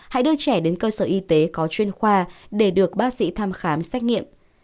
hãy đưa trẻ đến cơ sở y tế có chuyên khoa để được bác sĩ thăm khám xét nghiệm